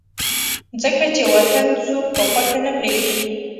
ځکه چې وطن څوک پۀ خوښه نه پريږدي